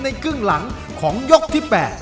ครึ่งหลังของยกที่๘